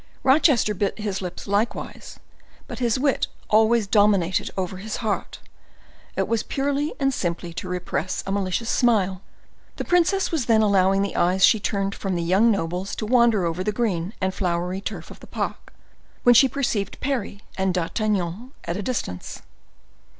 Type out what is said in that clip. Rochester bit his lips likewise; but his wit always dominated over his heart, it was purely and simply to repress a malicious smile. The princess was then allowing the eyes she turned from the young nobles to wander over the green and flowery turf of the park, when she perceived Parry and D'Artagnan at a distance.